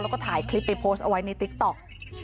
แล้วก็ถ่ายคลิปไปโพสต์เอาไว้ในติ๊กต๊อก